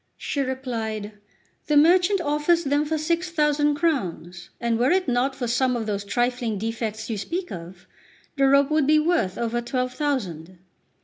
She replied: "The merchant offers them for six thousand crowns; and were it not for some of those trifling defects you speak of, the rope would be worth over twelve thousand."